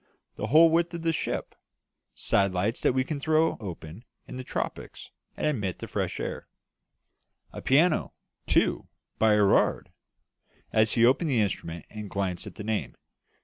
"The whole width of the ship; sidelights that we can throw open in the tropics, and admit the fresh air. A piano, too, by Erard," as he opened the instrument and glanced at the name.